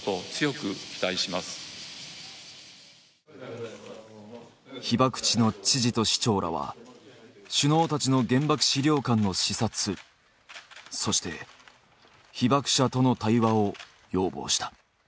来年被爆地の知事と市長らは首脳たちの原爆資料館の視察そして被爆者との対話を要望した。